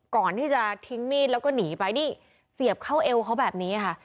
ก่อนที่จะทิ้งมีดแล้วก็หนีไปนี่เสียบเข้าเอวเขาแบบนี้ค่ะ